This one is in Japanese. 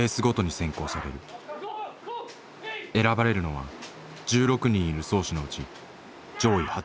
選ばれるのは１６人いる漕手のうち上位８人。